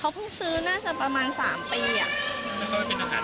เขาเพิ่งซื้อน่าจะประมาณ๓ปีอะ